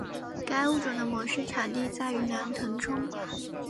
该物种的模式产地在云南腾冲。